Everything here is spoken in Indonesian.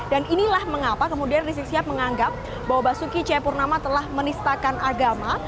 dan inilah mengapa kemudian risik sihab menganggap bahwa basuki c purnama telah menistakan agama